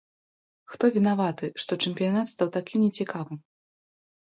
Хто вінаваты, што чэмпіянат стаў такім не цікавым?